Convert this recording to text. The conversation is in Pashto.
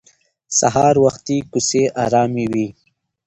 سهار وختي کوڅې ارامې وي